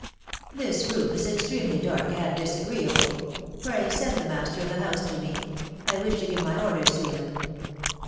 " This room is extremely dark and disagreeable. ... Pray, send the master of the house to me ; I wish io give mv orders to him."